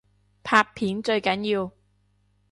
拍片最緊要